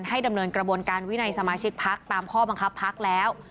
ดำเนินกระบวนการวินัยสมาชิกพักตามข้อบังคับพักแล้ว